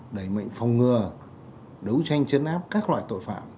đẩy mạnh phòng ngừa đấu tranh chấn áp các loại tội phạm